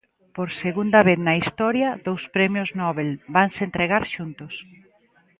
Por segunda vez na historia, dous premios Nobel vanse entregar xuntos.